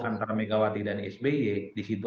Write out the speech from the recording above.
antara megawati dan sby disitu